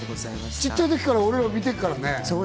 ちっちゃい時から俺ら見てるからね。